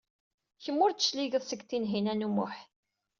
Kemm ur d-tecligeḍ seg Tinhinan u Muḥ.